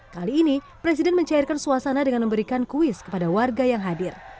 kali ini presiden mencairkan suasana dengan memberikan kuis kepada warga yang hadir